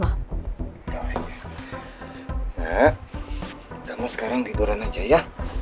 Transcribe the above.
nah kamu sekarang tiduran aja ya